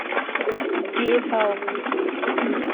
Die ev.